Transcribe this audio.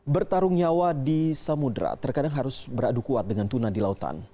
bertarung nyawa di samudera terkadang harus beradu kuat dengan tuna di lautan